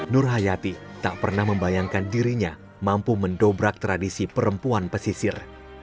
nur hayati tak pernah membayangkan dirinya mampu mendobrak tradisi perempuan pesisir